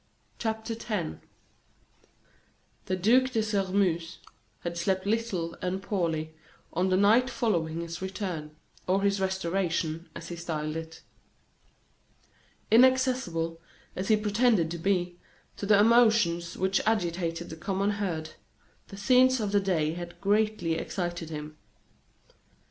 CHAPTER X The Duc de Sairmeuse had slept little and poorly on the night following his return, or his restoration, as he styled it. Inaccessible, as he pretended to be, to the emotions which agitate the common herd, the scenes of the day had greatly excited him.